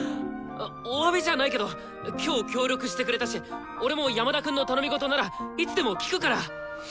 おわびじゃないけど今日協力してくれたし俺も山田くんの頼み事ならいつでも聞くから！